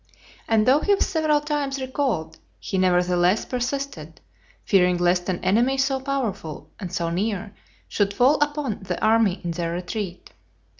And though he was several times recalled, he nevertheless persisted; fearing lest an enemy so powerful, and so near, should fall upon the army in their retreat.